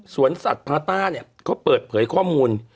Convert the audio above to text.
สวนสัตว์พาต้าเนี่ยเขาเปิดเผยข้อมูล